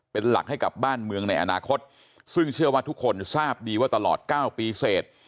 เป็นหลักให้กับบ้านเมืองในอนาคตซึ่งเชื่อว่าทุกคนทราบดีว่าตลอด๙ปีเสร็จ